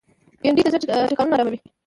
بېنډۍ د زړه ټکانونه آراموي